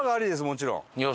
もちろん。